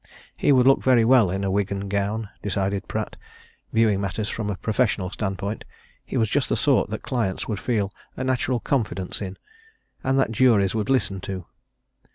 He would look very well in wig and gown, decided Pratt, viewing matters from a professional standpoint; he was just the sort that clients would feel a natural confidence in, and that juries would listen to.